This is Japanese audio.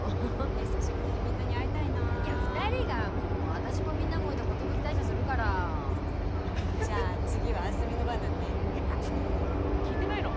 久しぶりにみんなに会いたいな２人がもう私もみんなも置いて寿退社するからじゃあ次は明日美の番だねいや聞いてないの？